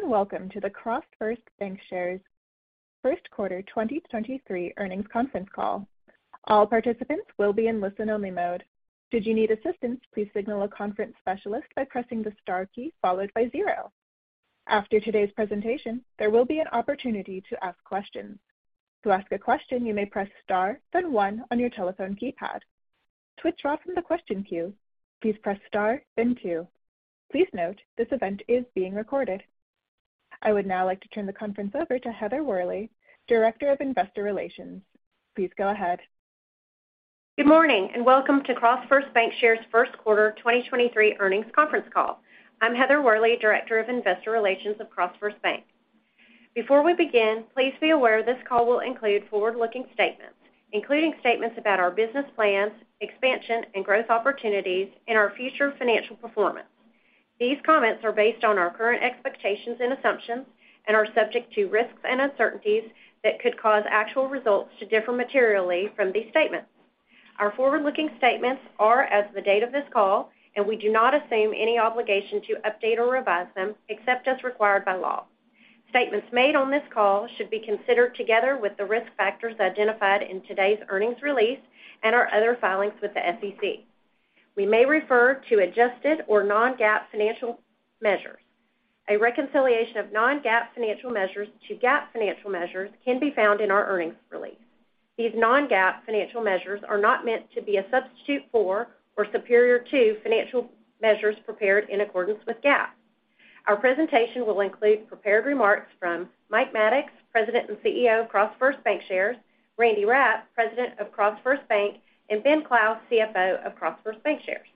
Hello, and welcome to the CrossFirst Bankshares first quarter 2023 earnings conference call. All participants will be in listen-only mode. Should you need assistance, please signal a conference specialist by pressing the star key followed by 0. After today's presentation, there will be an opportunity to ask questions. To ask a question, you may press Star, then 1 on your telephone keypad. To withdraw from the question queue, please press Star, then 2. Please note, this event is being recorded. I would now like to turn the conference over to Heather Worley, Director of Investor Relations. Please go ahead. Good morning, welcome to CrossFirst Bankshares first quarter 2023 earnings conference call. I'm Heather Worley, Director of Investor Relations of CrossFirst Bank. Before we begin, please be aware this call will include forward-looking statements, including statements about our business plans, expansion and growth opportunities, and our future financial performance. These comments are based on our current expectations and assumptions and are subject to risks and uncertainties that could cause actual results to differ materially from these statements. Our forward-looking statements are as of the date of this call, we do not assume any obligation to update or revise them except as required by law. Statements made on this call should be considered together with the risk factors identified in today's earnings release and our other filings with the SEC. We may refer to adjusted or non-GAAP financial measures. A reconciliation of non-GAAP financial measures to GAAP financial measures can be found in our earnings release. These non-GAAP financial measures are not meant to be a substitute for or superior to financial measures prepared in accordance with GAAP. Our presentation will include prepared remarks from Mike Maddox, President and CEO of CrossFirst Bankshares, Randy Rapp, President of CrossFirst Bank, and Ben Clouse, CFO of CrossFirst Bankshares.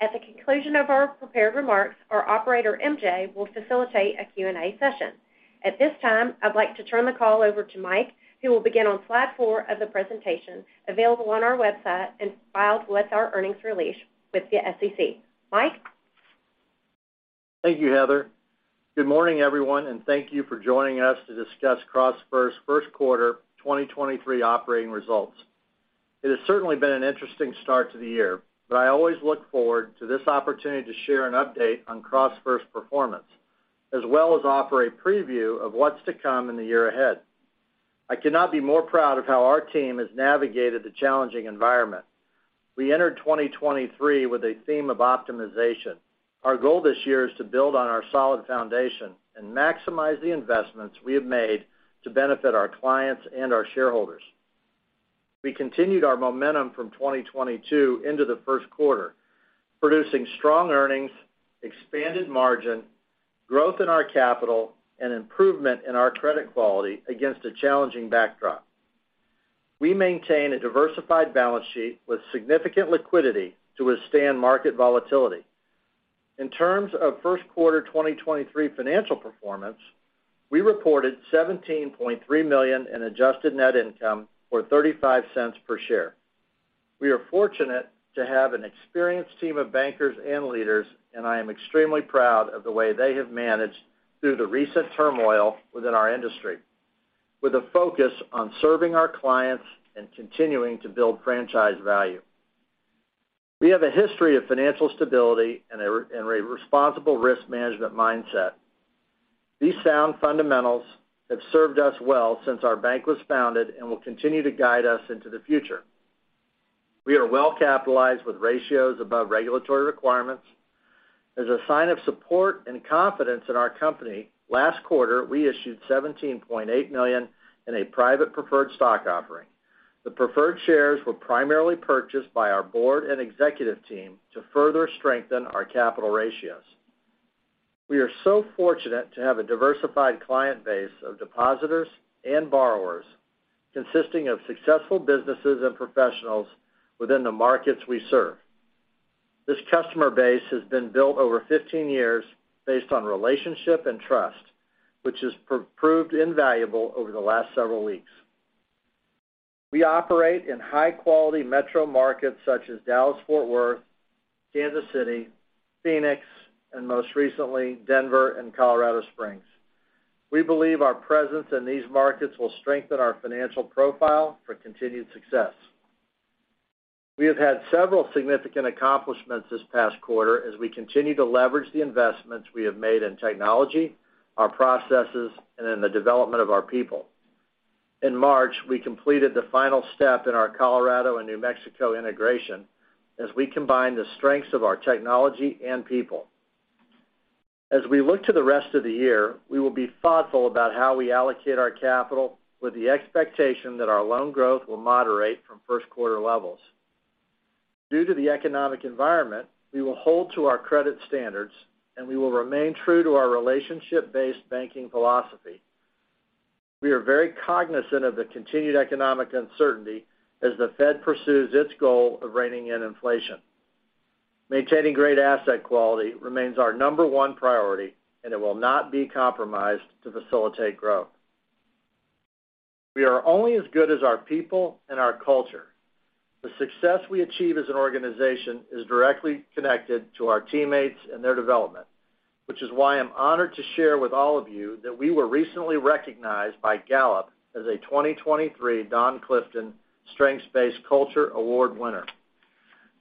At the conclusion of our prepared remarks, our operator, MJ, will facilitate a Q&A session. At this time, I'd like to turn the call over to Mike, who will begin on slide four of the presentation, available on our website and filed with our earnings release with the SEC. Mike? Thank you, Heather. Good morning, everyone, thank you for joining us to discuss CrossFirst first quarter 2023 operating results. It has certainly been an interesting start to the year, I always look forward to this opportunity to share an update on CrossFirst performance, as well as offer a preview of what's to come in the year ahead. I could not be more proud of how our team has navigated the challenging environment. We entered 2023 with a theme of optimization. Our goal this year is to build on our solid foundation and maximize the investments we have made to benefit our clients and our shareholders. We continued our momentum from 2022 into the first quarter, producing strong earnings, expanded margin, growth in our capital, and improvement in our credit quality against a challenging backdrop. We maintain a diversified balance sheet with significant liquidity to withstand market volatility. In terms of first quarter 2023 financial performance, we reported $17.3 million in adjusted net income or $0.35 per share. We are fortunate to have an experienced team of bankers and leaders. I am extremely proud of the way they have managed through the recent turmoil within our industry, with a focus on serving our clients and continuing to build franchise value. We have a history of financial stability and a responsible risk management mindset. These sound fundamentals have served us well since our bank was founded and will continue to guide us into the future. We are well-capitalized with ratios above regulatory requirements. As a sign of support and confidence in our company, last quarter, we issued $17.8 million in a private preferred stock offering. The preferred shares were primarily purchased by our board and executive team to further strengthen our capital ratios. We are so fortunate to have a diversified client base of depositors and borrowers consisting of successful businesses and professionals within the markets we serve. This customer base has been built over 15 years based on relationship and trust, which has proved invaluable over the last several weeks. We operate in high-quality metro markets such as Dallas-Fort Worth, Kansas City, Phoenix, and most recently, Denver and Colorado Springs. We believe our presence in these markets will strengthen our financial profile for continued success. We have had several significant accomplishments this past quarter as we continue to leverage the investments we have made in technology, our processes, and in the development of our people. In March, we completed the final step in our Colorado and New Mexico integration as we combine the strengths of our technology and people. As we look to the rest of the year, we will be thoughtful about how we allocate our capital with the expectation that our loan growth will moderate from first quarter levels. Due to the economic environment, we will hold to our credit standards. We will remain true to our relationship-based banking philosophy. We are very cognizant of the continued economic uncertainty as the Fed pursues its goal of reining in inflation. Maintaining great asset quality remains our number one priority. It will not be compromised to facilitate growth. We are only as good as our people and our culture. The success we achieve as an organization is directly connected to our teammates and their development, which is why I'm honored to share with all of you that we were recently recognized by Gallup as a 2023 Don Clifton Strengths-Based Culture Award winner.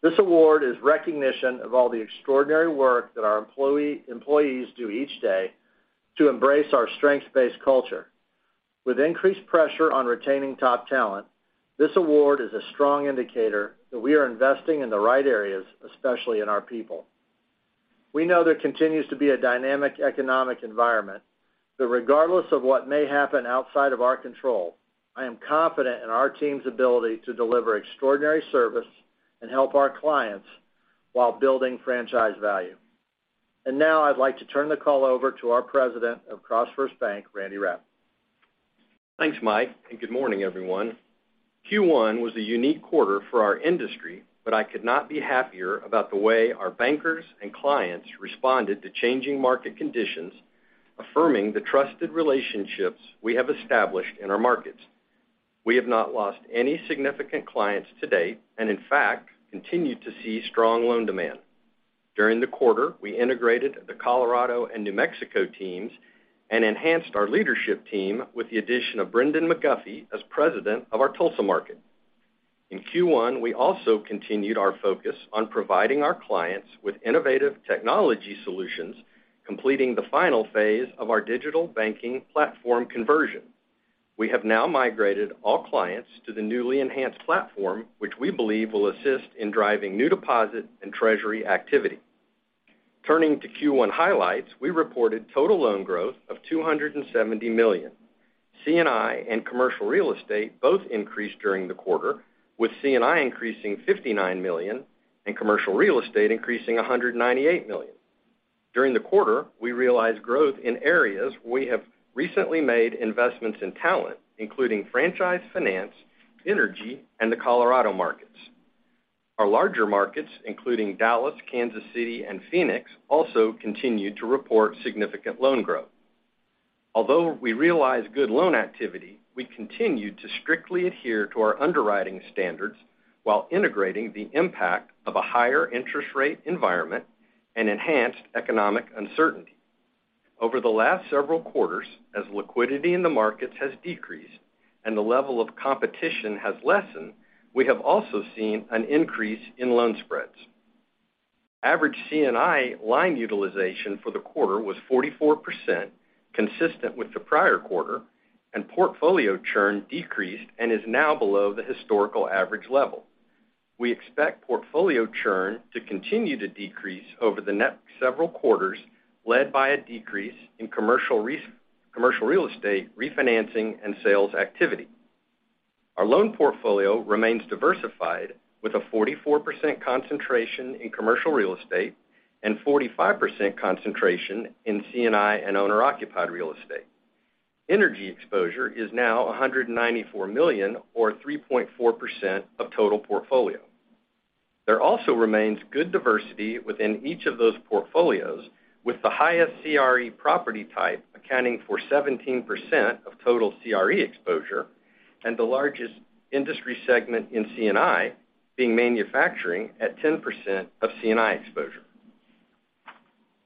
This award is recognition of all the extraordinary work that our employees do each day to embrace our strengths-based culture. With increased pressure on retaining top talent, this award is a strong indicator that we are investing in the right areas, especially in our people. We know there continues to be a dynamic economic environment that regardless of what may happen outside of our control, I am confident in our team's ability to deliver extraordinary service and help our clients while building franchise value. Now I'd like to turn the call over to our President of CrossFirst Bank, Randy Rapp. Thanks, Mike. Good morning, everyone. Q1 was a unique quarter for our industry. I could not be happier about the way our bankers and clients responded to changing market conditions, affirming the trusted relationships we have established in our markets. We have not lost any significant clients to date. In fact, continue to see strong loan demand. During the quarter, we integrated the Colorado and New Mexico teams and enhanced our leadership team with the addition of Brendon Maguffee as president of our Tulsa market. In Q1, we also continued our focus on providing our clients with innovative technology solutions, completing the final phase of our digital banking platform conversion. We have now migrated all clients to the newly enhanced platform, which we believe will assist in driving new deposit and treasury activity. Turning to Q1 highlights, we reported total loan growth of $270 million. C&I and commercial real estate both increased during the quarter, with C&I increasing $59 million and commercial real estate increasing $198 million. During the quarter, we realized growth in areas we have recently made investments in talent, including franchise finance, energy and the Colorado markets. Our larger markets, including Dallas, Kansas City and Phoenix, also continued to report significant loan growth. Although we realize good loan activity, we continue to strictly adhere to our underwriting standards while integrating the impact of a higher interest rate environment and enhanced economic uncertainty. Over the last several quarters, as liquidity in the markets has decreased and the level of competition has lessened, we have also seen an increase in loan spreads. Average C&I line utilization for the quarter was 44%, consistent with the prior quarter. Portfolio churn decreased and is now below the historical average level. We expect portfolio churn to continue to decrease over the next several quarters, led by a decrease in commercial real estate refinancing and sales activity. Our loan portfolio remains diversified with a 44% concentration in commercial real estate and 45% concentration in C&I and owner-occupied real estate. Energy exposure is now $194 million or 3.4% of total portfolio. There also remains good diversity within each of those portfolios, with the highest CRE property type accounting for 17% of total CRE exposure and the largest industry segment in C&I being manufacturing at 10% of C&I exposure.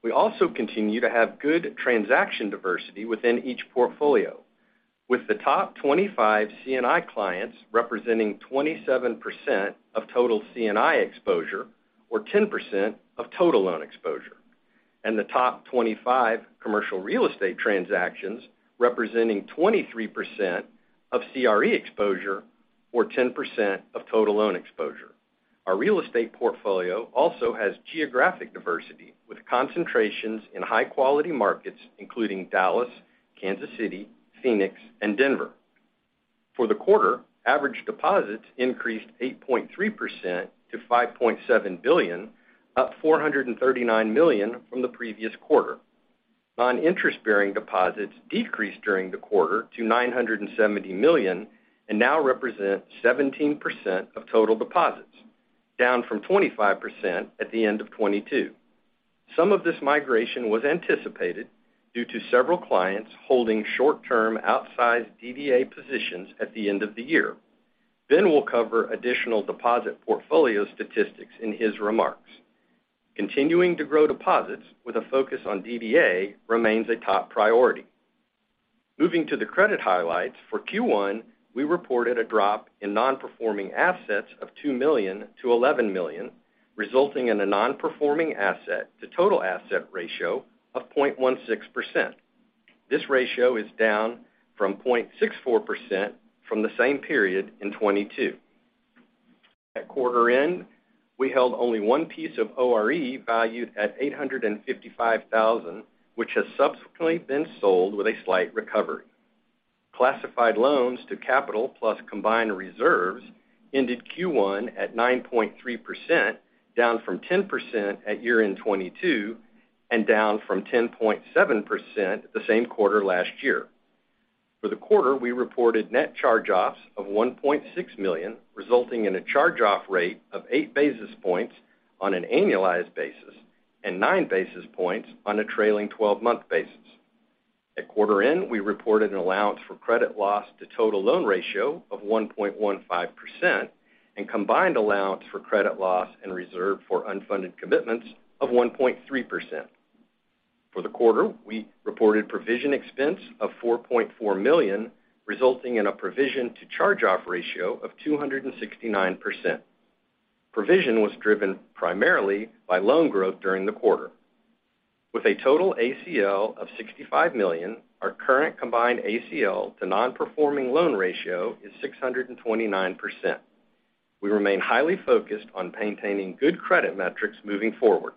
We also continue to have good transaction diversity within each portfolio. With the top 25 C&I clients representing 27% of total C&I exposure or 10% of total loan exposure. The top 25 commercial real estate transactions representing 23% of CRE exposure or 10% of total loan exposure. Our real estate portfolio also has geographic diversity, with concentrations in high quality markets, including Dallas, Kansas City, Phoenix and Denver. For the quarter, average deposits increased 8.3% to $5.7 billion, up $439 million from the previous quarter. Non-interest-bearing deposits decreased during the quarter to $970 million and now represent 17% of total deposits, down from 25% at the end of 2022. Some of this migration was anticipated due to several clients holding short-term outsized DDA positions at the end of the year. Ben will cover additional deposit portfolio statistics in his remarks. Continuing to grow deposits with a focus on DDA remains a top priority. Moving to the credit highlights. For Q1, we reported a drop in non-performing assets of $2 million-$11 million, resulting in a non-performing asset to total asset ratio of 0.16%. This ratio is down from 0.64% from the same period in 2022. At quarter end, we held only one piece of ORE valued at $855,000, which has subsequently been sold with a slight recovery. Classified loans to capital plus combined reserves ended Q1 at 9.3%, down from 10% at year-end 2022, and down from 10.7% the same quarter last year. For the quarter, we reported net charge-offs of $1.6 million, resulting in a charge-off rate of eight basis points on an annualized basis and nine basis points on a trailing 12-month basis. At quarter end, we reported an allowance for credit loss to total loan ratio of 1.15% and combined allowance for credit loss and reserve for unfunded commitments of 1.3%. For the quarter, we reported provision expense of $4.4 million, resulting in a provision to charge-off ratio of 269%. Provision was driven primarily by loan growth during the quarter. With a total ACL of $65 million, our current combined ACL to non-performing loan ratio is 629%. We remain highly focused on maintaining good credit metrics moving forward.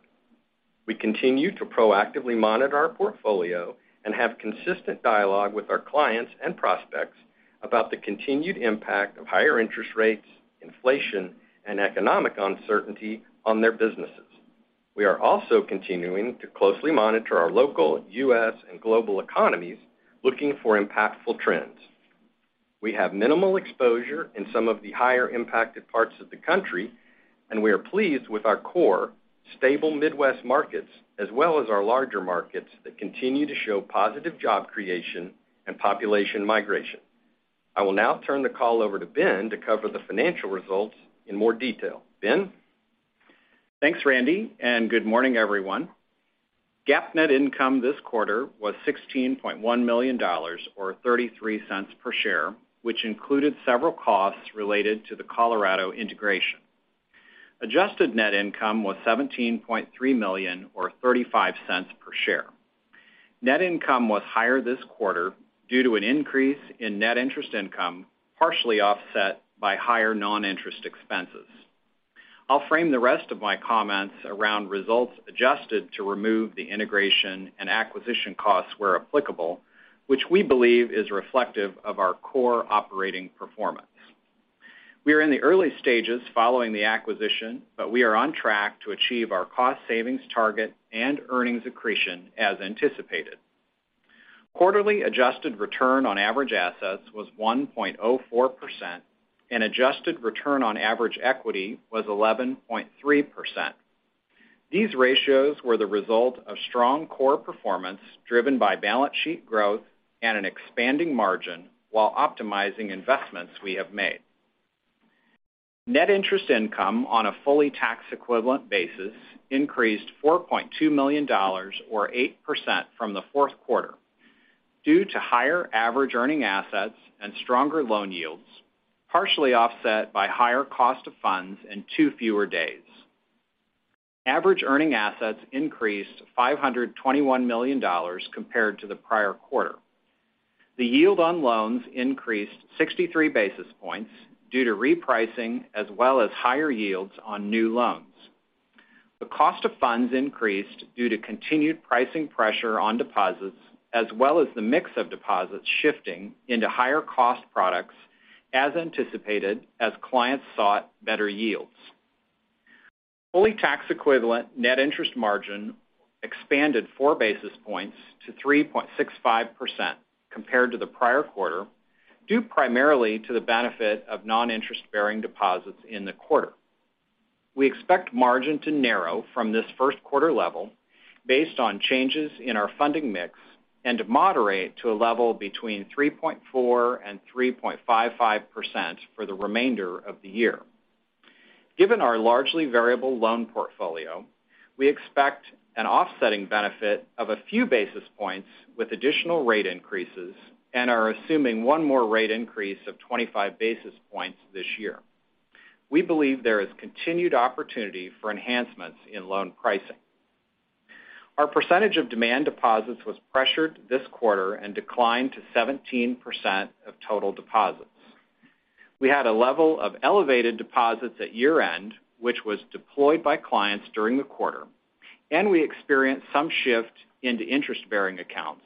We continue to proactively monitor our portfolio and have consistent dialogue with our clients and prospects about the continued impact of higher interest rates, inflation, and economic uncertainty on their businesses. We are also continuing to closely monitor our local U.S. and global economies, looking for impactful trends. We have minimal exposure in some of the higher impacted parts of the country, and we are pleased with our core, stable Midwest markets, as well as our larger markets that continue to show positive job creation and population migration. I will now turn the call over to Ben to cover the financial results in more detail. Ben? Thanks, Randy, and good morning, everyone. GAAP net income this quarter was $16.1 million or $0.33 per share, which included several costs related to the Colorado integration. Adjusted net income was $17.3 million or $0.35 per share. Net income was higher this quarter due to an increase in net interest income, partially offset by higher non-interest expenses. I'll frame the rest of my comments around results adjusted to remove the integration and acquisition costs where applicable, which we believe is reflective of our core operating performance. We are in the early stages following the acquisition, but we are on track to achieve our cost savings target and earnings accretion as anticipated. Quarterly adjusted return on average assets was 1.04% and adjusted return on average equity was 11.3%. These ratios were the result of strong core performance driven by balance sheet growth and an expanding margin while optimizing investments we have made. Net interest income on a fully tax equivalent basis increased $4.2 million or 8% from the fourth quarter due to higher average earning assets and stronger loan yields, partially offset by higher cost of funds in two fewer days. Average earning assets increased $521 million compared to the prior quarter. The yield on loans increased 63 basis points due to repricing as well as higher yields on new loans. The cost of funds increased due to continued pricing pressure on deposits, as well as the mix of deposits shifting into higher cost products as anticipated as clients sought better yields. Fully tax equivalent net interest margin expanded four basis points to 3.65% compared to the prior quarter, due primarily to the benefit of non-interest-bearing deposits in the quarter. We expect margin to narrow from this first quarter level based on changes in our funding mix and to moderate to a level between 3.4% and 3.55% for the remainder of the year. Given our largely variable loan portfolio, we expect an offsetting benefit of a few basis points with additional rate increases and are assuming one more rate increase of 25 basis points this year. We believe there is continued opportunity for enhancements in loan pricing. Our percentage of demand deposits was pressured this quarter and declined to 17% of total deposits. We had a level of elevated deposits at year-end, which was deployed by clients during the quarter, we experienced some shift into interest-bearing accounts,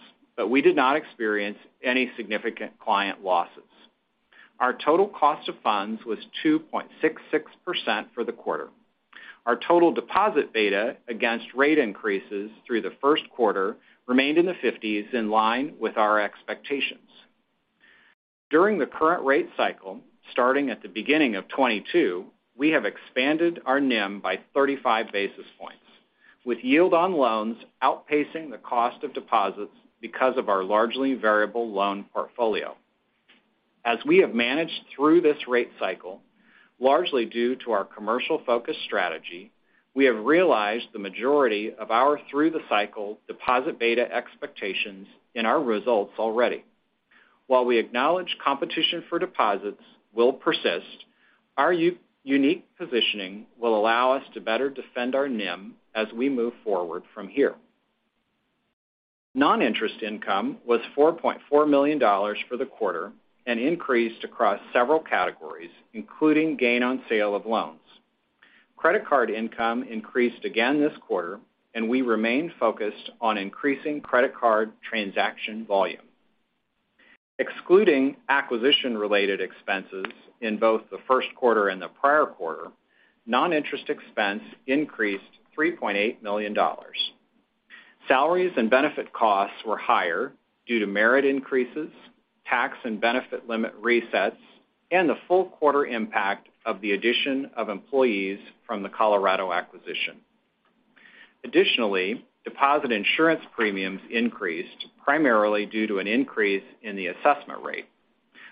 we did not experience any significant client losses. Our total cost of funds was 2.66% for the quarter. Our total deposit beta against rate increases through the first quarter remained in the fifties, in line with our expectations. During the current rate cycle, starting at the beginning of 2022, we have expanded our NIM by 35 basis points, with yield on loans outpacing the cost of deposits because of our largely variable loan portfolio. As we have managed through this rate cycle, largely due to our commercial-focused strategy, we have realized the majority of our through the cycle deposit beta expectations in our results already. While we acknowledge competition for deposits will persist, our unique positioning will allow us to better defend our NIM as we move forward from here. Non-interest income was $4.4 million for the quarter and increased across several categories, including gain on sale of loans. Credit card income increased again this quarter, and we remain focused on increasing credit card transaction volume. Excluding acquisition-related expenses in both the first quarter and the prior quarter, non-interest expense increased $3.8 million. Salaries and benefit costs were higher due to merit increases, tax and benefit limit resets, and the full quarter impact of the addition of employees from the Colorado acquisition. Additionally, deposit insurance premiums increased primarily due to an increase in the assessment rate.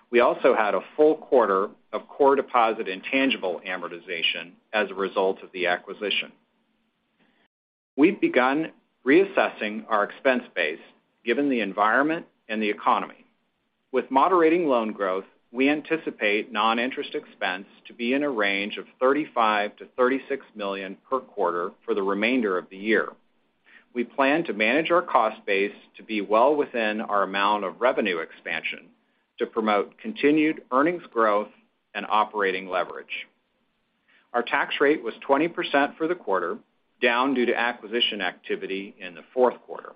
We also had a full quarter of core deposit intangible amortization as a result of the acquisition. We've begun reassessing our expense base given the environment and the economy. With moderating loan growth, we anticipate non-interest expense to be in a range of $35 million-$36 million per quarter for the remainder of the year. We plan to manage our cost base to be well within our amount of revenue expansion to promote continued earnings growth and operating leverage. Our tax rate was 20% for the quarter, down due to acquisition activity in the fourth quarter.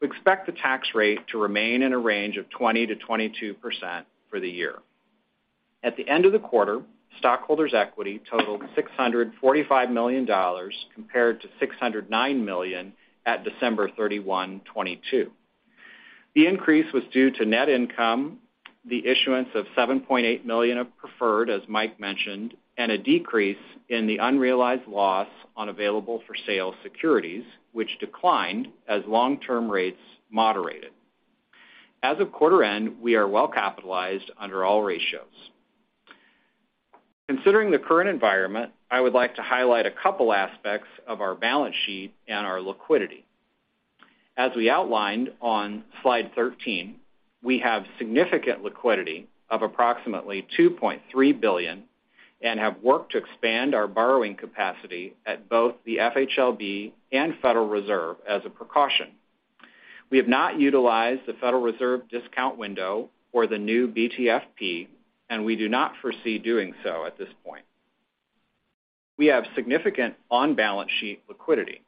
We expect the tax rate to remain in a range of 20%-22% for the year. At the end of the quarter, stockholders' equity totaled $645 million compared to $609 million at December 31, 2022. The increase was due to net income, the issuance of $7.8 million of preferred, as Mike mentioned, and a decrease in the unrealized loss on available-for-sale securities, which declined as long-term rates moderated. As of quarter end, we are well capitalized under all ratios. Considering the current environment, I would like to highlight a couple aspects of our balance sheet and our liquidity. As we outlined on slide 13, we have significant liquidity of approximately $2.3 billion and have worked to expand our borrowing capacity at both the FHLB and Federal Reserve as a precaution. We have not utilized the Federal Reserve discount window or the new BTFP. We do not foresee doing so at this point. We have significant on-balance sheet liquidity.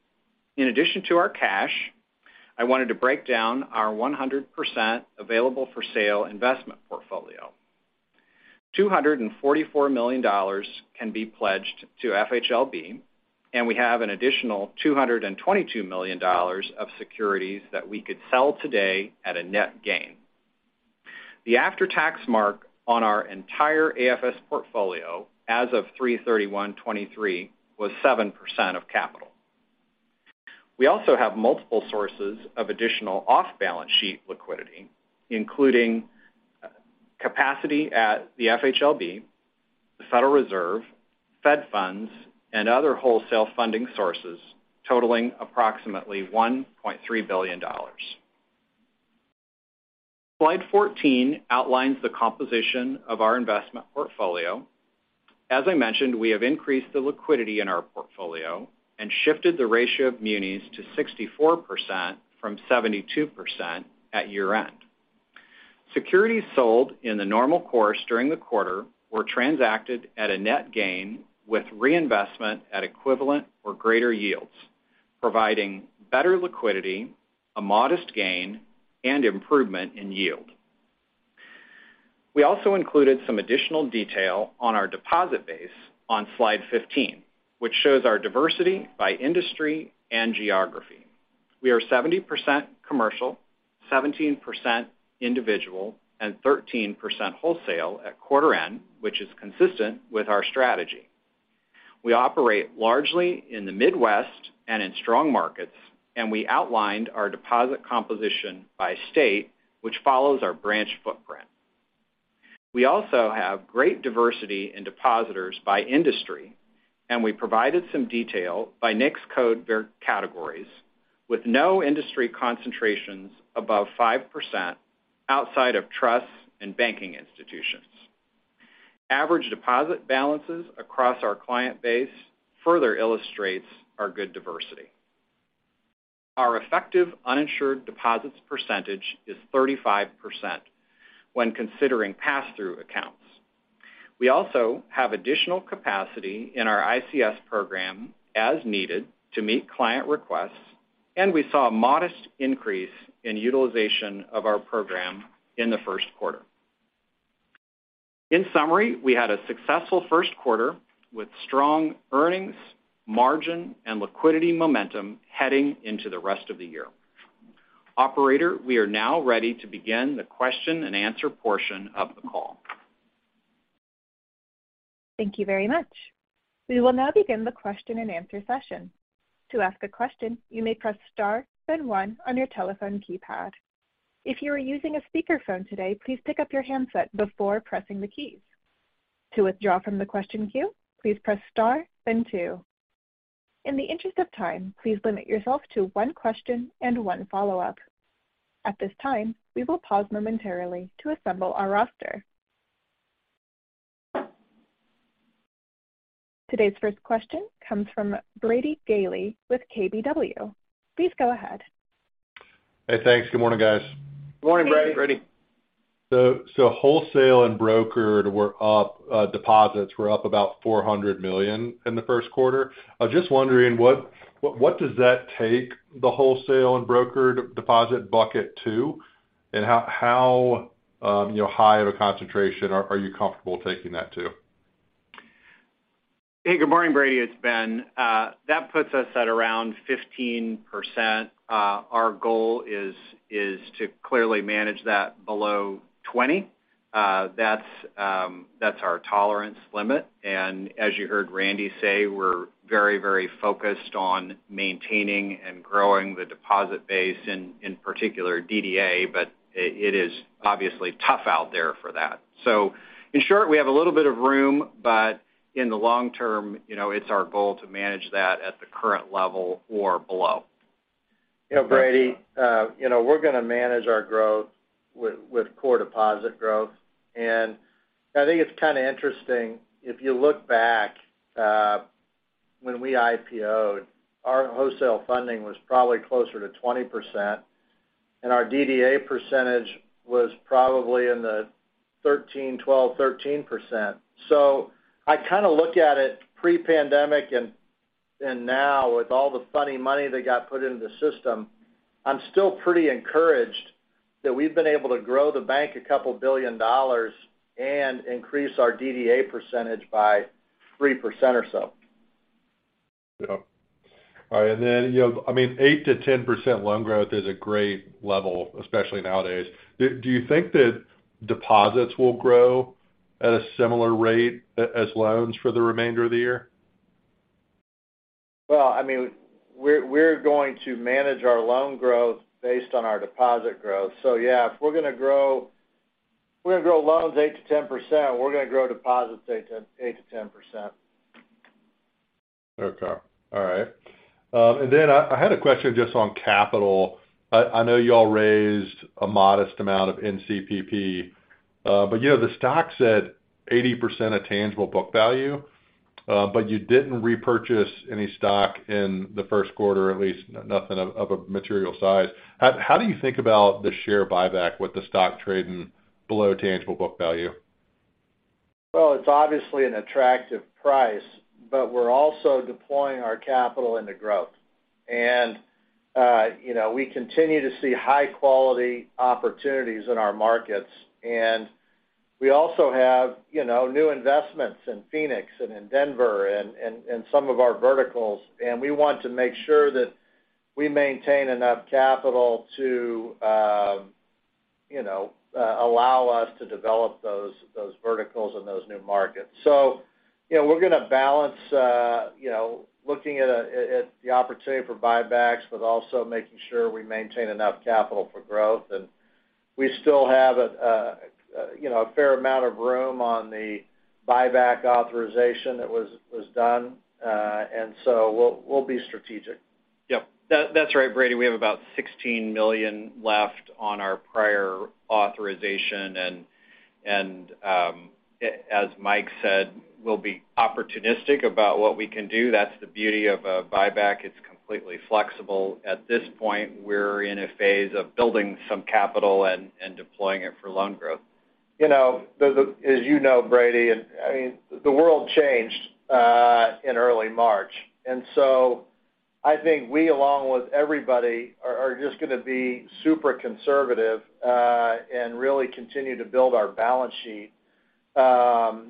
In addition to our cash, I wanted to break down our 100% available-for-sale investment portfolio. $244 million can be pledged to FHLB, and we have an additional $222 million of securities that we could sell today at a net gain. The after-tax mark on our entire AFS portfolio as of 03/31/2023 was 7% of capital. We also have multiple sources of additional off-balance sheet liquidity, including capacity at the FHLB, the Federal Reserve, Fed funds, and other wholesale funding sources totaling approximately $1.3 billion. Slide 14 outlines the composition of our investment portfolio. As I mentioned, we have increased the liquidity in our portfolio and shifted the ratio of munis to 64% from 72% at year-end. Securities sold in the normal course during the quarter were transacted at a net gain with reinvestment at equivalent or greater yields, providing better liquidity, a modest gain, and improvement in yield. We also included some additional detail on our deposit base on slide 15, which shows our diversity by industry and geography. We are 70% commercial, 17% individual, and 13% wholesale at quarter end, which is consistent with our strategy. We operate largely in the Midwest and in strong markets. We outlined our deposit composition by state, which follows our branch footprint. We also have great diversity in depositors by industry. We provided some detail by NAICS code categories with no industry concentrations above 5% outside of trusts and banking institutions. Average deposit balances across our client base further illustrates our good diversity. Our effective uninsured deposits percentage is 35% when considering pass-through accounts. We also have additional capacity in our ICS program as needed to meet client requests, and we saw a modest increase in utilization of our program in the first quarter. In summary, we had a successful first quarter with strong earnings, margin, and liquidity momentum heading into the rest of the year. Operator, we are now ready to begin the question-and-answer portion of the call. Thank you very much. We will now begin the question-and-answer session. To ask a question, you may press star then one on your telephone keypad. If you are using a speakerphone today, please pick up your handset before pressing the keys. To withdraw from the question queue, please press star then two. In the interest of time, please limit yourself to one question and one follow-up. At this time, we will pause momentarily to assemble our roster. Today's first question comes from Brady Gailey with KBW. Please go ahead. Hey, thanks. Good morning, guys. Good morning, Brady. Good morning, Brady. Wholesale and brokered were up, deposits were up about $400 million in the first quarter. I was just wondering what does that take the wholesale and brokered deposit bucket to? How, you know, high of a concentration are you comfortable taking that to? Hey, good morning, Brady. It's Ben. That puts us at around 15%. Our goal is to clearly manage that below 20%. That's our tolerance limit. As you heard Randy say, we're very focused on maintaining and growing the deposit base in particular DDA, but it is obviously tough out there for that. In short, we have a little bit of room. In the long term, you know, it's our goal to manage that at the current level or below. You know, Brady, you know, we're gonna manage our growth with core deposit growth. I think it's kinda interesting, if you look back, when we IPO'd, our wholesale funding was probably closer to 20%, and our DDA percentage was probably in the 13%, 12%, 13%. I kinda look at it pre-pandemic and now with all the funny money that got put into the system, I'm still pretty encouraged that we've been able to grow the bank a couple billion dollars and increase our DDA percentage by 3% or so. Yeah. All right, you know, I mean, 8%-10% loan growth is a great level, especially nowadays. Do you think that deposits will grow at a similar rate as loans for the remainder of the year? Well, I mean, we're going to manage our loan growth based on our deposit growth. yeah, if we're gonna grow loans 8%-10%, we're gonna grow deposits 8%-10%. Okay. All right. I had a question just on capital. I know y'all raised a modest amount of NCPP, you know, the stock's at 80% of tangible book value, you didn't repurchase any stock in the 1st quarter, at least nothing of a material size. How, how do you think about the share buyback with the stock trading below tangible book value? It's obviously an attractive price, but we're also deploying our capital into growth. You know, we continue to see high-quality opportunities in our markets. We also have, you know, new investments in Phoenix and in Denver and some of our verticals, and we want to make sure that we maintain enough capital to, you know, allow us to develop those verticals in those new markets. You know, we're gonna balance, you know, looking at the opportunity for buybacks, but also making sure we maintain enough capital for growth. We still have a, you know, a fair amount of room on the buyback authorization that was done, and so we'll be strategic. Yep. That's right, Brady. We have about $16 million left on our prior authorization. As Mike said, we'll be opportunistic about what we can do. That's the beauty of a buyback. It's completely flexible. At this point, we're in a phase of building some capital and deploying it for loan growth. You know, As you know, Brady, I mean, the world changed in early March. I think we, along with everybody, are just gonna be super conservative and really continue to build our balance sheet. Look,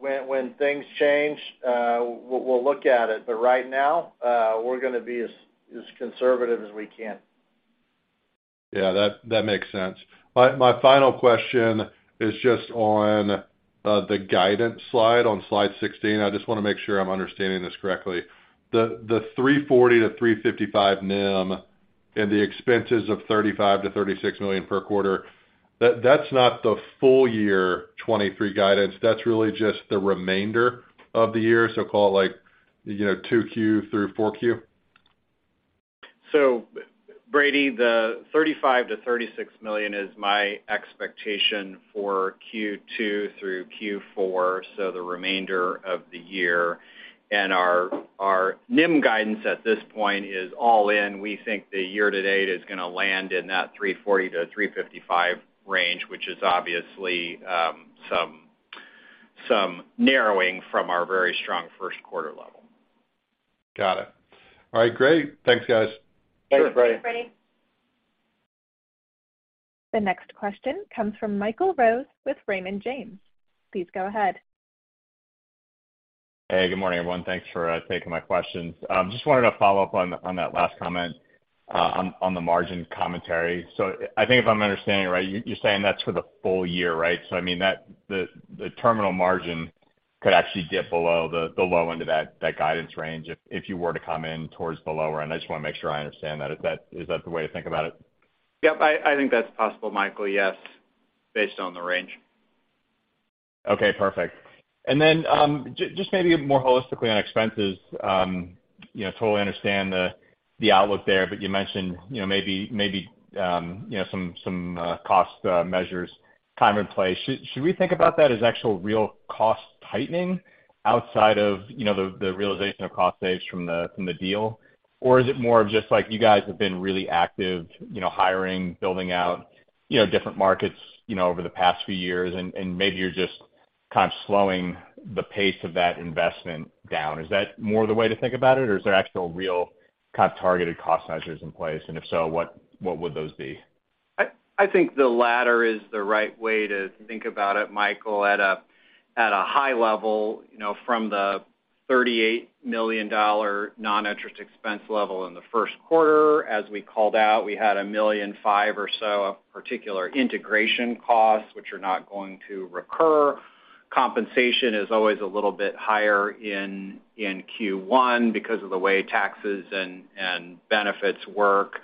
when things change, we'll look at it. Right now, we're gonna be as conservative as we can. Yeah, that makes sense. My final question is just on the guidance slide, on slide 16. I just wanna make sure I'm understanding this correctly. The 3.40%-3.55% NIM and the expenses of $35 million-$36 million per quarter, that's not the full year 2023 guidance. That's really just the remainder of the year, so call it, like, you know, 2Q through 4Q? Brady, the $35 million-$36 million is my expectation for Q2 through Q4, so the remainder of the year. Our NIM guidance at this point is all in. We think the year-to-date is gonna land in that 340-355 range, which is obviously, some narrowing from our very strong first quarter level. Got it. All right, great. Thanks, guys. The next question comes from Michael Rose with Raymond James. Please go ahead. Hey, good morning, everyone. Thanks for taking my questions. Just wanted to follow up on that last comment on the margin commentary. I think if I'm understanding it right, you're saying that's for the full year, right? I mean, the terminal margin could actually dip below the low end of that guidance range if you were to come in towards the lower end. I just wanna make sure I understand that. Is that the way to think about it? Yep. I think that's possible, Michael. Yes, based on the range. Okay, perfect. Just maybe more holistically on expenses, you know, totally understand the outlook there, you mentioned, you know, some cost measures, time and place. Should we think about that as actual real cost tightening outside of, you know, the realization of cost saves from the deal? Is it more of just like you guys have been really active, you know, hiring, building out, you know, different markets, you know, over the past few years, and maybe you're just kind of slowing the pace of that investment down? Is that more the way to think about it, or is there actual real kind of targeted cost measures in place? If so, what would those be? I think the latter is the right way to think about it, Michael. At a high level, you know, from the $38 million non-interest expense level in the first quarter, as we called out, we had $1.5 million or so of particular integration costs, which are not going to recur. Compensation is always a little bit higher in Q1 because of the way taxes and benefits work.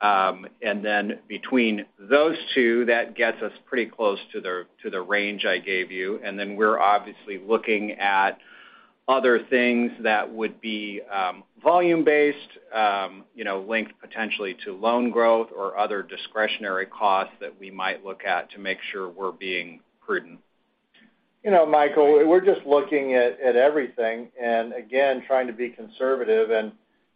Between those two, that gets us pretty close to the range I gave you. We're obviously looking at other things that would be volume-based, you know, linked potentially to loan growth or other discretionary costs that we might look at to make sure we're being prudent. You know, Michael, we're just looking at everything and again, trying to be conservative.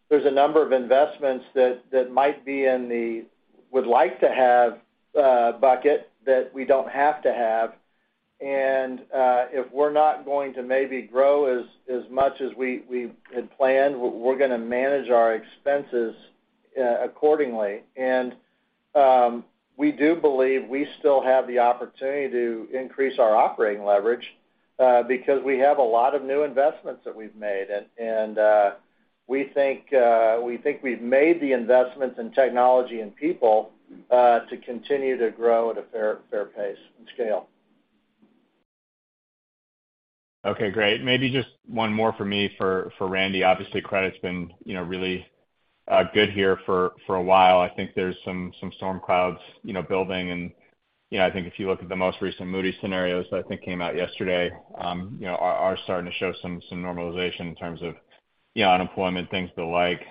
There's a number of investments that might be in the would like to have bucket that we don't have to have. If we're not going to maybe grow as much as we had planned, we're gonna manage our expenses accordingly. We do believe we still have the opportunity to increase our operating leverage because we have a lot of new investments that we've made. We think we've made the investments in technology and people to continue to grow at a fair pace and scale. Okay, great. Maybe just one more for me for Randy. Obviously, credit's been, you know, really good here for a while. I think there's some storm clouds, you know, building and, you know, I think if you look at the most recent Moody's scenarios that I think came out yesterday, you know, are starting to show some normalization in terms of, you know, unemployment, things the like.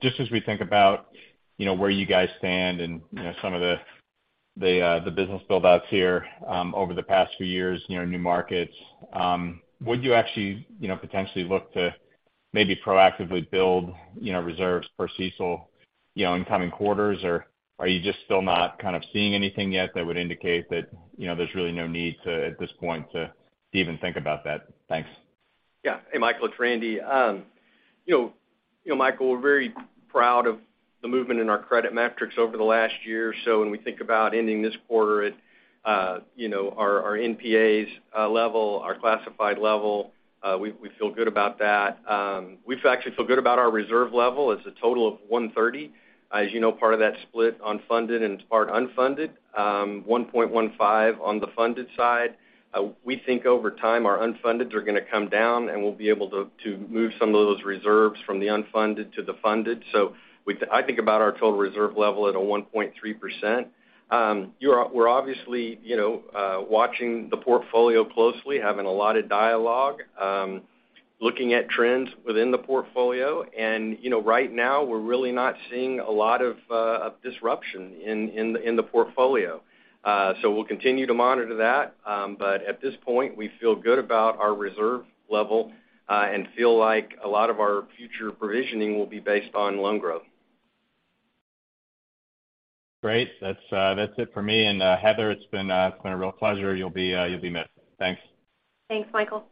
Just as we think about, you know, where you guys stand and, you know, some of the business build-outs here over the past few years, you know, new markets, would you actually, you know, potentially look to maybe proactively build, you know, reserves for CECL, you know, in coming quarters? Are you just still not kind of seeing anything yet that would indicate that, you know, there's really no need to, at this point, to even think about that? Thanks. Yeah. Hey, Michael Rose, it's Randy Rapp. You know, Michael Rose, we're very proud of the movement in our credit metrics over the last year or so. When we think about ending this quarter at, you know, our NPA level, our classified level, we feel good about that. We actually feel good about our reserve level. It's a total of 130. As you know, part of that's split on funded and part unfunded. 1.15 on the funded side. We think over time our unfundeds are gonna come down, and we'll be able to move some of those reserves from the unfunded to the funded. I think about our total reserve level at a 1.3%. We're obviously, you know, watching the portfolio closely, having a lot of dialogue, looking at trends within the portfolio. You know, right now, we're really not seeing a lot of disruption in the portfolio. We'll continue to monitor that. At this point, we feel good about our reserve level, and feel like a lot of our future provisioning will be based on loan growth. Great. That's it for me. Heather, it's been a real pleasure. You'll be missed. Thanks. Thanks, Michael.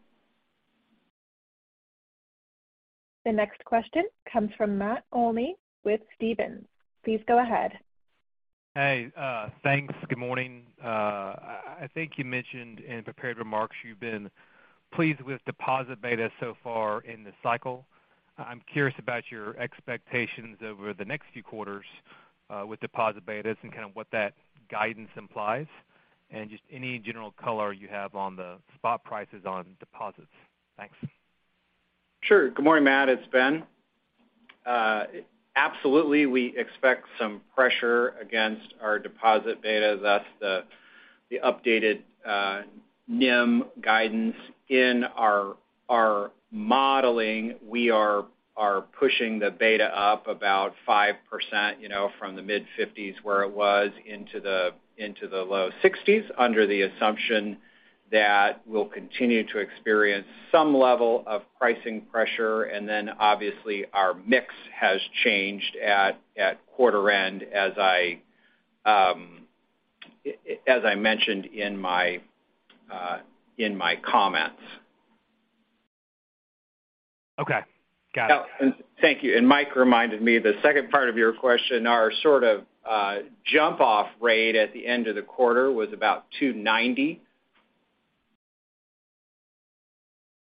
The next question comes from Matt Olney with Stephens. Please go ahead. Hey, thanks. Good morning. I think you mentioned in prepared remarks you've been pleased with deposit beta so far in this cycle. I'm curious about your expectations over the next few quarters, with deposit betas and kind of what that guidance implies, and just any general color you have on the spot prices on deposits. Thanks. Sure. Good morning, Matt, it's Ben. Absolutely, we expect some pressure against our deposit beta. Thus the updated NIM guidance. In our modeling, we are pushing the beta up about 5%, you know, from the mid-fifties where it was into the low sixties, under the assumption that we'll continue to experience some level of pricing pressure. Obviously, our mix has changed at quarter end as I mentioned in my comments. Okay. Got it. Thank you. Mike reminded me of the second part of your question. Our sort of jump-off rate at the end of the quarter was about 290.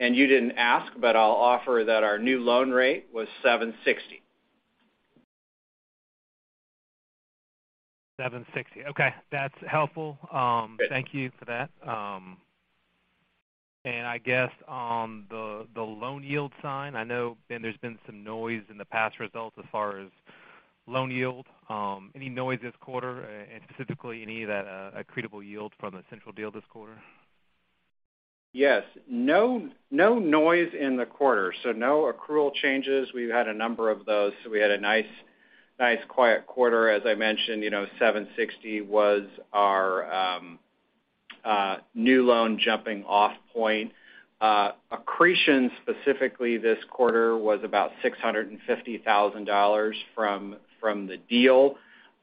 You didn't ask, but I'll offer that our new loan rate was 760. 760. Okay. That's helpful. Thank you for that. I guess on the loan yield side, I know, Ben, there's been some noise in the past results as far as loan yield. Any noise this quarter, and specifically any of that accretable yield from the Central deal this quarter? Yes. No, no noise in the quarter, so no accrual changes. We've had a number of those. We had a nice quiet quarter. As I mentioned, you know, 760 was our new loan jumping off point. Accretion specifically this quarter was about $650,000 from the deal.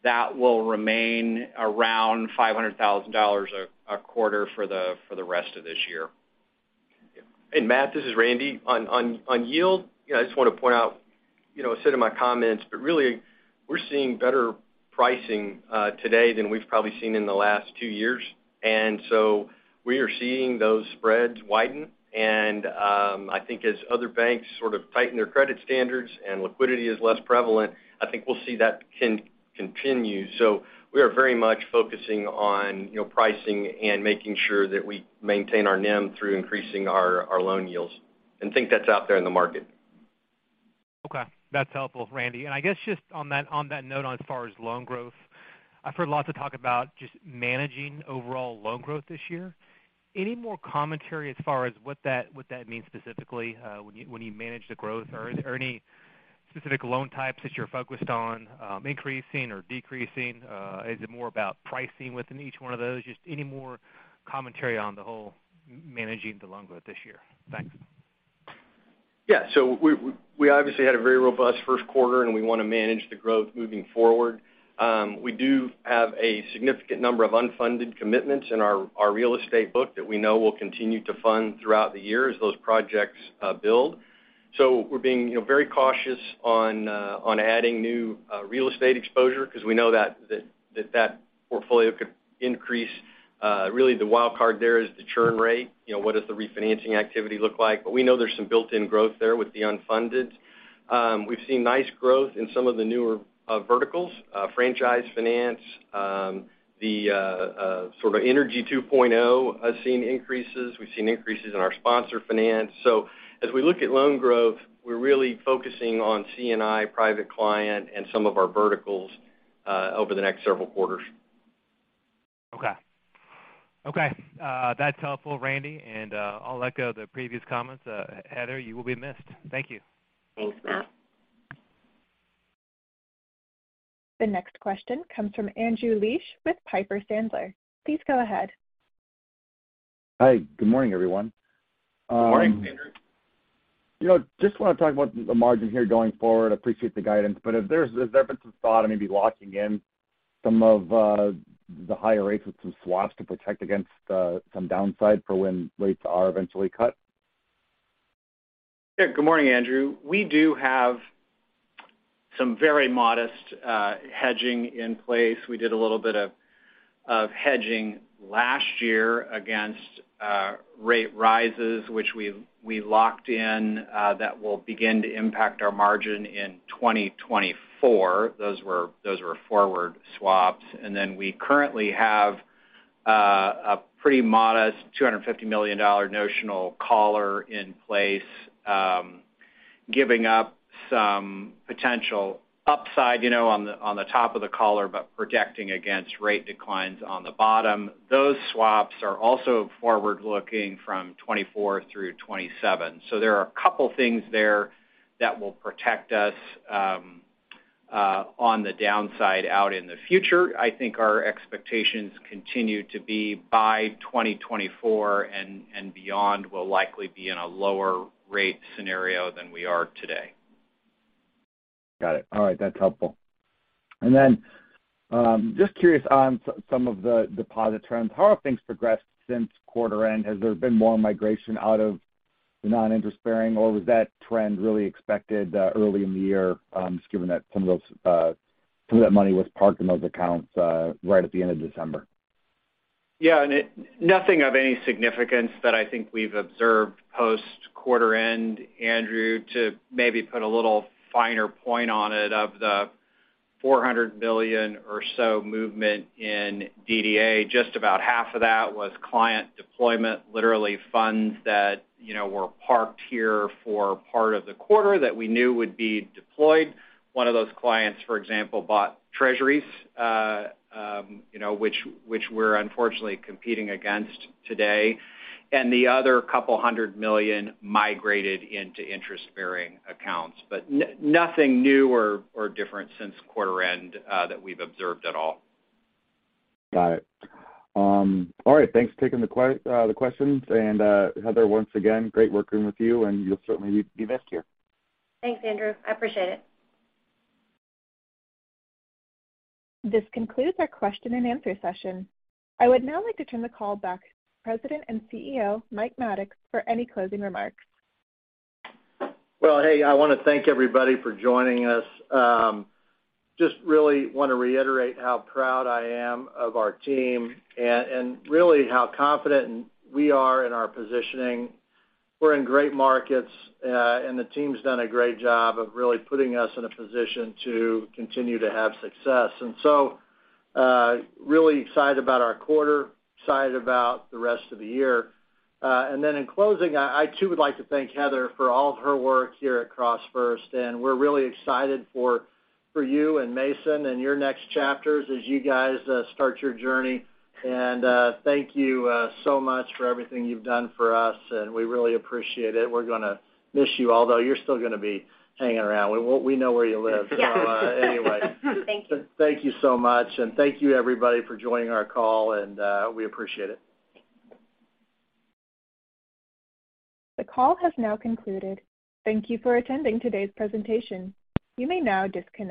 That will remain around $500,000 a quarter for the rest of this year. Matt, this is Randy. On yield, you know, I just want to point out, you know, I said in my comments, but really we're seeing better pricing today than we've probably seen in the last two years. We are seeing those spreads widen. I think as other banks sort of tighten their credit standards and liquidity is less prevalent, I think we'll see that continue. We are very much focusing on, you know, pricing and making sure that we maintain our NIM through increasing our loan yields. Think that's out there in the market. Okay, that's helpful, Randy. I guess just on that, on that note, as far as loan growth, I've heard lots of talk about just managing overall loan growth this year. Any more commentary as far as what that means specifically, when you manage the growth? Are there any specific loan types that you're focused on, increasing or decreasing? Is it more about pricing within each one of those? Just any more commentary on the whole managing the loan growth this year? Thanks. We obviously had a very robust first quarter, and we wanna manage the growth moving forward. We do have a significant number of unfunded commitments in our real estate book that we know will continue to fund throughout the year as those projects build. We're being, you know, very cautious on adding new real estate exposure because we know that portfolio could increase. Really the wild card there is the churn rate. You know, what does the refinancing activity look like? We know there's some built-in growth there with the unfunded. We've seen nice growth in some of the newer verticals, franchise finance, the sort of Energy 2.0 have seen increases. We've seen increases in our sponsor finance. As we look at loan growth, we're really focusing on C&I private client and some of our verticals over the next several quarters. Okay. Okay, that's helpful, Randy. I'll echo the previous comments. Heather, you will be missed. Thank you. Thanks, Matt. The next question comes from Andrew Liesch with Piper Sandler. Please go ahead. Hi, good morning, everyone You know, just wanna talk about the margin here going forward. Appreciate the guidance. Has there been some thought of maybe locking in some of the higher rates with some swaps to protect against some downside for when rates are eventually cut? Yeah. Good morning, Andrew. We do have some very modest hedging in place. We did a little bit of hedging last year against rate rises, which we locked in that will begin to impact our margin in 2024. Those were forward swaps. We currently have a pretty modest $250 million notional caller in place, giving up some potential upside, you know, on the top of the caller, but protecting against rate declines on the bottom. Those swaps are also forward-looking from 2024 through 2027. There are a couple things there that will protect us on the downside out in the future. I think our expectations continue to be by 2024 and beyond will likely be in a lower rate scenario than we are today. Got it. All right. That's helpful. Just curious on some of the deposit trends. How have things progressed since quarter end? Has there been more migration out of the non-interest bearing, or was that trend really expected early in the year, just given that some of those, some of that money was parked in those accounts right at the end of December? Yeah. Nothing of any significance that I think we've observed post-quarter end, Andrew, to maybe put a little finer point on it, of the $400 billion or so movement in DDA, just about half of that was client deployment, literally funds that, you know, were parked here for part of the quarter that we knew would be deployed. One of those clients, for example, bought treasuries, you know, which we're unfortunately competing against today and the other couple hundred million migrated into interest-bearing accounts. Nothing new or different since quarter end that we've observed at all. Got it. All right, thanks for taking the questions. Heather, once again, great working with you, and you'll certainly be missed here. Thanks, Andrew. I appreciate it. This concludes our question and answer session. I would now like to turn the call back to President and CEO, Mike Maddox, for any closing remarks. Well, hey, I wanna thank everybody for joining us. Just really wanna reiterate how proud I am of our team and really how confident we are in our positioning. We're in great markets, and the team's done a great job of really putting us in a position to continue to have success. Really excited about our quarter, excited about the rest of the year. Then in closing, I too would like to thank Heather for all of her work here at CrossFirst, and we're really excited for you and Mason and your next chapters as you guys start your journey. Thank you so much for everything you've done for us, and we really appreciate it. We're gonna miss you, although you're still gonna be hanging around. We know where you live. Yeah. Thank you. Thank you so much. Thank you, everybody, for joining our call, and we appreciate it. The call has now concluded. Thank you for attending today's presentation. You may now disconnect.